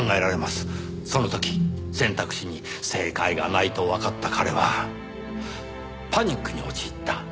その時選択肢に正解がないとわかった彼はパニックに陥った。